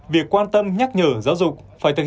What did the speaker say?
việc quan tâm nhắc nhở giáo dục